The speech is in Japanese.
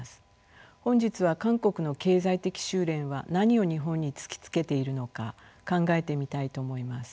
本日は韓国の経済的収斂は何を日本に突きつけているのか考えてみたいと思います。